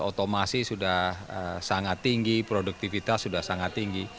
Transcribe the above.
otomasi sudah sangat tinggi produktivitas sudah sangat tinggi